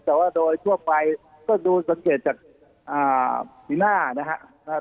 แต่ว่าโดยทั่วไปก็ดูสังเกตจากสีหน้านะครับ